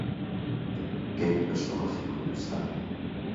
گەلی بەشەڕەفی کوردستان